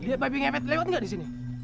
lihat babi ngepet lewat gak disini